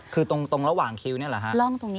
คือตรงระหว่างคิวนี่แหละฮะ